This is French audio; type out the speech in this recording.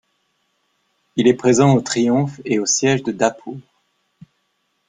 Il est présent au triomphe et au siège de Dapour.